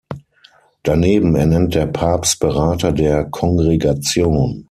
Daneben ernennt der Papst Berater der Kongregation.